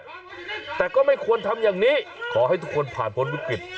แต่ก็ไม่ควรทำอย่างนี้ขอให้ทุกคนผ่านพ้นวิกฤต